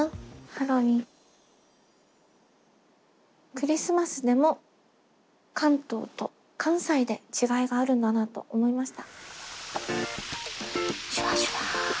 「クリスマス」でも関東と関西で違いがあるんだなと思いました。